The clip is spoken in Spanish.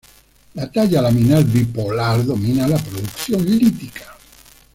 La talla laminar bipolar domina la producción lítica.